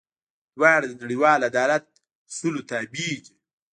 دواړه د نړیوال عدالت اصولو تابع دي.